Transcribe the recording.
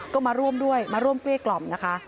ก็มาร่วมด้วยมาร่วมเกลี้ยกล่อมนะคะ